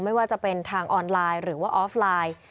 ไม่ว่าจะเป็นทางออนไลน์หรือว่าออฟไลน์